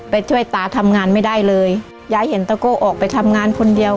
ไปช่วยตาทำงานไม่ได้เลยยายเห็นตะโก้ออกไปทำงานคนเดียว